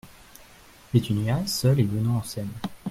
Pétunia , seule et venant en scène.